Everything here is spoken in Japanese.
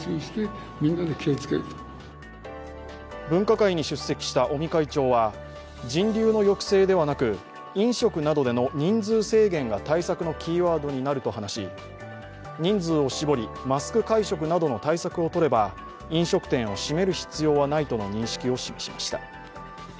分科会に出席した尾身会長は、人流の抑制ではなく飲食などでの人数制限が対策のキーワードになると話し人数を絞り、マスク会食などの対策を取れば、飲食店を閉める必要はないとの認識を示しました。